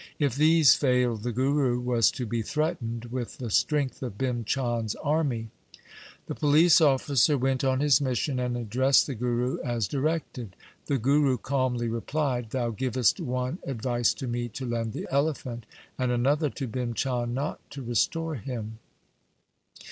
If these failed, the Guru was to be threatened with the strength of Bhim Chand's army. The police officer went on his mission and addressed the Guru as directed. The Guru calmly replied, ' Thou givest one advice to me to lend the elephant, and another to Bhim Chand not to restore him.'